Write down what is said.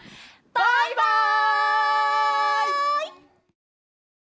バイバイ！